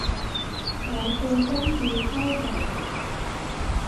我最鍾意修補